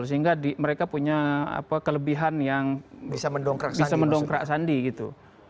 sehingga mereka punya kelebihan yang bisa mendongkrak sandi gitu